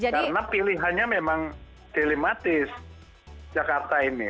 karena pilihannya memang dilematis jakarta ini